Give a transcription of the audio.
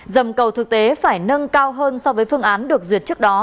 dầm cầu thực tế phải nâng cao hơn so với phương án được duyệt trước đó